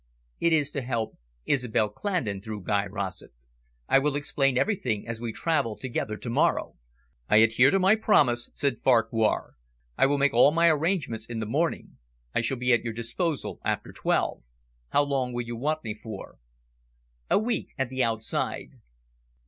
"It is to help Isobel Clandon through Guy Rossett. I will explain everything as we travel together to morrow." "I adhere to my promise," said Farquhar. "I will make all my arrangements in the morning. I shall be at your disposal after twelve. How long will you want me for?" "A week at the outside."